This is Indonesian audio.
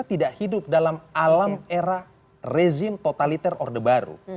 tidak hidup dalam alam era rezim totaliter orde baru